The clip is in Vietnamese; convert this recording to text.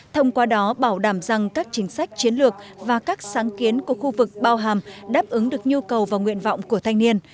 thông qua đó bảo đảm rằng các chính sách chiến lược và các sáng kiến của khu vực bao hàm đáp ứng được nhu cầu và nguyện vọng của thanh niên